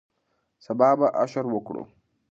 سبا به اشر وکړو